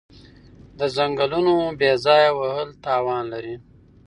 د ځنګلونو بې ځایه وهل تاوان لري.